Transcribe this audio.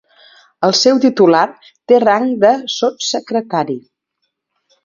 El seu titular té rang de sotssecretari.